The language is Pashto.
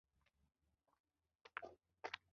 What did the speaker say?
جنګ د خلکو تر منځ فاصله او تفرقې راولي.